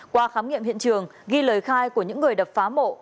qua khám nghiệm hiện trường ghi lời khai của những người đập phá mổ